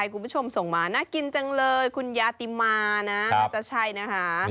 คุณผู้ชมส่งมาน่ากินจังเลยคุณยาติมานะน่าจะใช่นะคะ